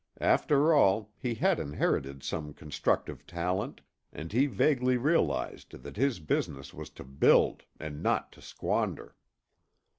After all, he had inherited some constructive talent, and he vaguely realized that his business was to build and not to squander.